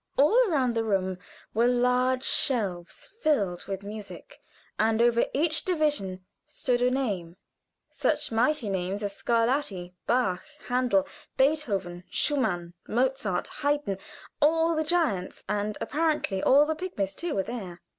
All around the room were large shelves filled with music and over each division stood a name such mighty names as Scarlatti, Bach, Handel, Beethoven, Schumann, Mozart, Haydn all the giants, and apparently all the pygmies too, were there.